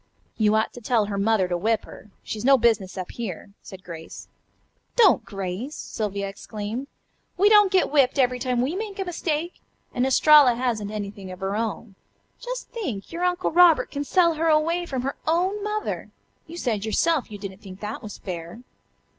"You ought to tell her mother to whip her. She's no business up here," said Grace. "Don't, Grace!" Sylvia exclaimed. "We don't get whipped every time we make a mistake. And Estralla hasn't anything of her own. Just think, your Uncle Robert can sell her away from her own mother. You said yourself that you didn't think that was fair."